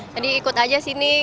jadi ikut aja